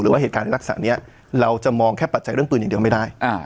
ว่าเหตุการณ์ลักษณะนี้เราจะมองแค่ปัจจัยเรื่องปืนอย่างเดียวไม่ได้